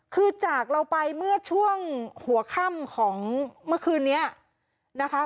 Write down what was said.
คือจากเราไปเมื่อช่วงหัวค่ำของเมื่อคืนนี้นะคะ